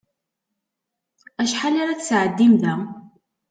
Acḥal ara tesɛeddim da?